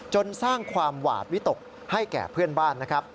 จนสร้างความหวาดวิตกให้แก่เพื่อนบ้านนะครับ